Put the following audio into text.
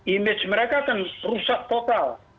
image mereka kan rusak total